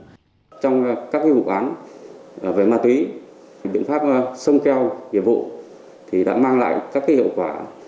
trong các vụ án về ma túy biện pháp sông keo hiệp vụ đã mang lại các hiệu quả